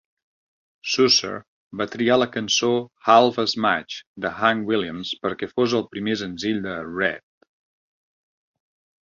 Susser va triar la cançó "Half As Much" de Hank Williams perquè fos el primer senzill de Redd.